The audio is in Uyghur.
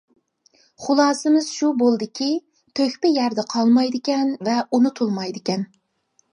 خۇلاسىمىز شۇ بولدىكى، تۆھپە يەردە قالمايدىكەن ۋە ئۇنتۇلمايدىكەن.